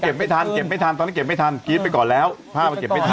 ไม่ทันเก็บไม่ทันตอนนี้เก็บไม่ทันกรี๊ดไปก่อนแล้วภาพมันเก็บไม่ทัน